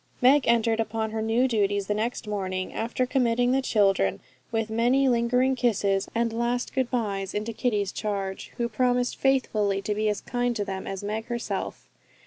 Meg entered upon her new duties the next morning, after committing the children, with many lingering kisses and last good byes, into Kitty's charge, who promised faithfully to be as kind to them as Meg herself.